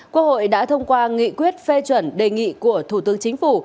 quốc hội đã thông qua nghị quyết phê chuẩn đề nghị của thủ tướng chính phủ